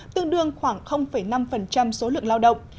tương đương khoảng năm số lượng lao động